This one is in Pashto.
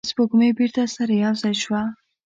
سپوږمۍ بیرته سره یو ځای شوه.